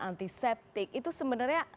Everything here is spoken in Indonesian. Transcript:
antiseptik itu sebenarnya